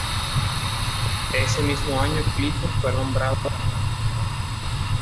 Ese mismo año Clifford fue nombrado caballero.